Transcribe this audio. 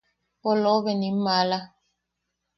¡Polobe nim maala!